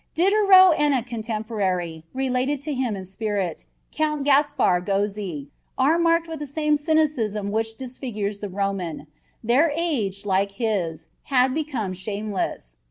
"Diderot and a contemporary, related to him in spirit, Count Gaspar Gozzi, are marked with the same cynicism which disfigures the Roman; their age, like his, had become shameless.